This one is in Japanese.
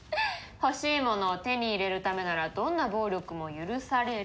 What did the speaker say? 欲しいものを手に入れるためならどんな暴力も許される。